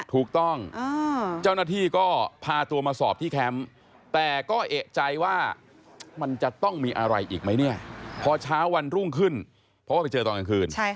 ถูกต้องเจ้าหน้าที่ก็พาตัวมาสอบที่แคมป์แต่ก็เอกใจว่ามันจะต้องมีอะไรอีกไหมเนี่ยพอเช้าวันรุ่งขึ้นเพราะว่าไปเจอตอนกลางคืน